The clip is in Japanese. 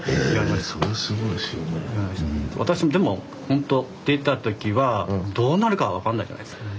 私もでもほんと出た時はどうなるかは分かんないじゃないですか。